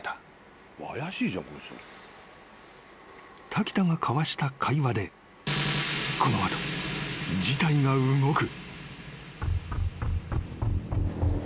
［滝田が交わした会話でこの後事態が動く］